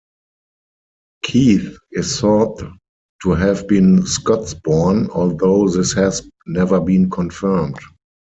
Kethe is thought to have been Scots-born, although this has never been confirmed.